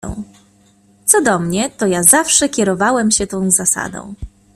"Co do mnie, to ja zawsze kierowałem się tą zasadą."